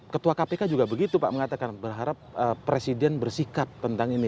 ketua kpk juga begitu pak mengatakan berharap presiden bersikap tentang ini